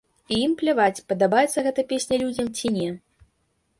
І ім пляваць, падабаецца гэта песня людзям ці не.